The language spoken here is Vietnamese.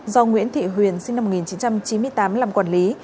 do nguyễn thị huyền sinh năm một nghìn chín trăm chín mươi tám làm quản lý